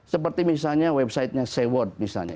seperti misalnya websitenya sewot misalnya